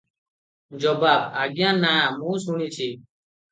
ଜବାବ - ଆଜ୍ଞା ନା, ମୁଁ ଶୁଣିଛି ।